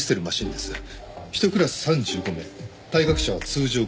ひとクラス３５名退学者は通常５名。